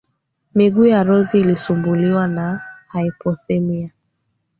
miguu ya rose ilisumbuliwa na hypothermia